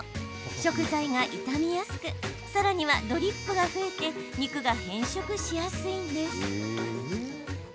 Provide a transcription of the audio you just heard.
食材が傷みやすくさらにはドリップが増えて肉が変色しやすいんです。